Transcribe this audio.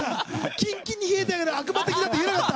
キンキンに冷えたような悪魔的なって言えなかった？